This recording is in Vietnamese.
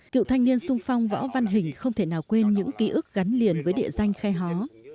cựu thanh niên sung phong võ văn hình không thể nào quên những ký ức gắn liền với địa danh khe hó